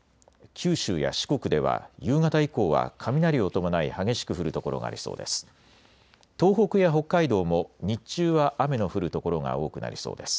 九州や四国では夕方以降は雷を伴い激しく降る所がありそうです。